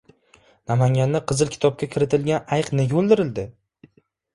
Namanganda «Qizil kitob»ga kiritilgan ayiq nega o‘ldirildi?